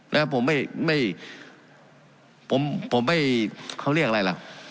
นะครับผมไม่ไม่ผมผมไม่เขาเรียกอะไรหรอก